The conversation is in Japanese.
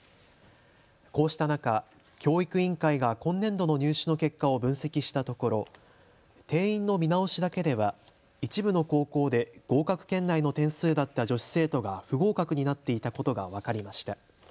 こうした中、教育委員会が今年度の入試の結果を分析したところ定員の見直しだけでは一部の高校で合格圏内の点数だった女子生徒が不合格になっていたことが分かりました。